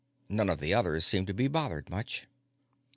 None of the others seemed to be bothered much.